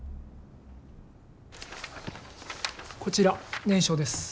こちら念書です。